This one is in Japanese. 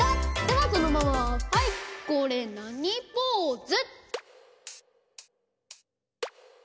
ではそのままはいこれなにポーズ？